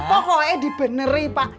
pokoknya dibeneri pak